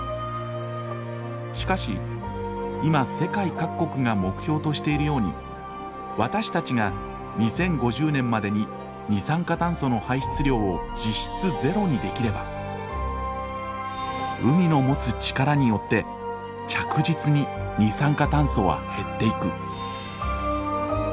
しかし今世界各国が目標としているように私たちが２０５０年までに二酸化炭素の排出量を実質０にできれば海の持つ力によって着実に二酸化炭素は減っていく。